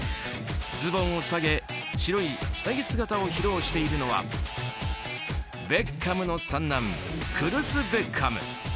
ズボンを下げ白い下着姿を披露しているのはベッカムの三男クルス・ベッカム。